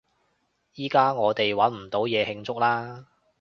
依加我哋搵到嘢慶祝喇！